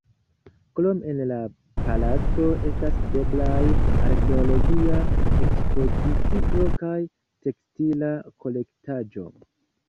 Krome en la palaco estas videblaj arkeologia ekspozicio kaj tekstila kolektaĵo.